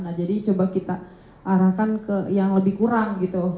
nah jadi coba kita arahkan ke yang lebih kurang gitu